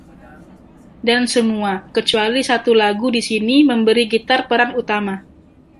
Dan semua kecuali satu lagu di sini memberi gitar peran utama.